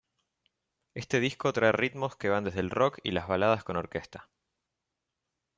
Este Disco trae ritmos que van desde el Rock y las baladas con orquesta.